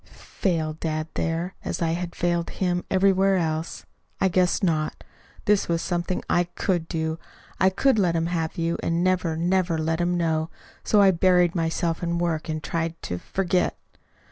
Fail dad there, as I had failed him everywhere else? I guess not! This was something I COULD do. I could let him have you, and never, never let him know. So I buried myself in work and tried to forget.